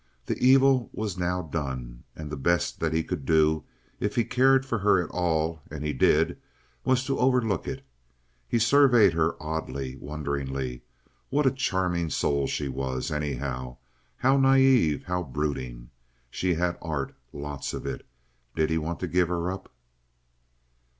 The evil was now done, and the best that he could do, if he cared for her at all—and he did—was to overlook it. He surveyed her oddly, wonderingly. What a charming soul she was, anyhow! How naive—how brooding! She had art—lots of it. Did he want to give her up?